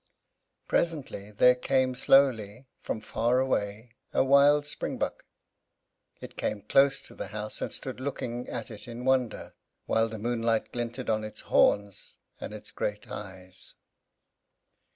Presently, there came slowly, from far away, a wild springbuck. It came close to the house, and stood looking at it in wonder, while the moonlight glinted on its horns, and in its great eyes.